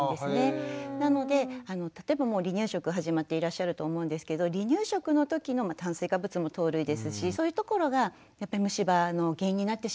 なので例えばもう離乳食始まっていらっしゃると思うんですけど離乳食のときの炭水化物も糖類ですしそういうところがやっぱり虫歯の原因になってしまうので。